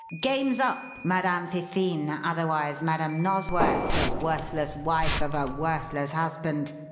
"Game's up, Madame Fifine, otherwise Madame Nosworth, the worthless wife of a worthless husband!"